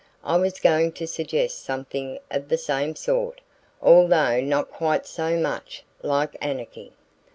"I was going to suggest something of the same sort, although not quite so much like anarchy."